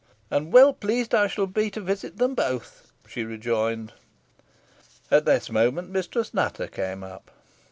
"And well pleased I shall be to visit them both," she rejoined. At this moment Mistress Nutter came up.